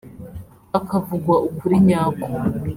hakavugwa ukuri nyako